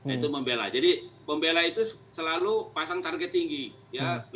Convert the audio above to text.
itu membela jadi pembela itu selalu pasang target tinggi ya